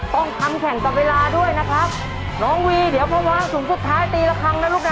ต้องทำแข่งกับเวลาด้วยนะครับน้องวีเดี๋ยวพอวางถุงสุดท้ายตีละครั้งนะลูกนะ